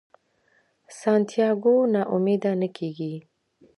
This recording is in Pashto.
سانتیاګو نا امیده نه کیږي.